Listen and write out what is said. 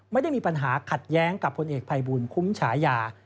ไม่ได้มีปัญหาขัดแย้งกับผลเอกภัยบูลคุ้มฉายา